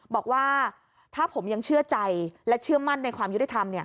บอกว่าถ้าผมยังเชื่อใจและเชื่อมั่นในความยุติธรรม